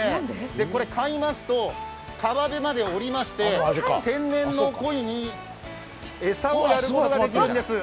これ、買いますと、川辺まで下りまして天然のこいに餌をやることができるんです。